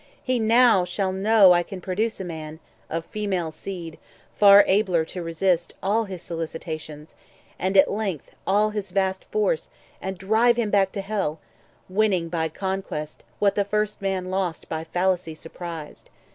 He now shall know I can produce a man, 150 Of female seed, far abler to resist All his solicitations, and at length All his vast force, and drive him back to Hell— Winning by conquest what the first man lost By fallacy surprised.